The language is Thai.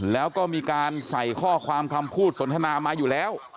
แล้วก็มีการใส่ข้อความคำพูดสนทนามาอยู่แล้ว